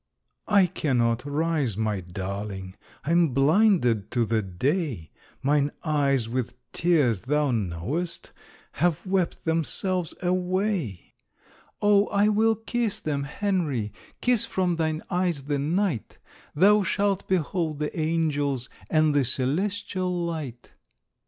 "I cannot rise, my darling, I am blinded to the day. Mine eyes with tears, thou knowest, Have wept themselves away." "Oh, I will kiss them, Henry, Kiss from thine eyes the night. Thou shalt behold the angels And the celestial light."